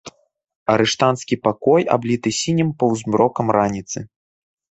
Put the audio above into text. Арыштанцкі пакой абліты сінім паўзмрокам раніцы.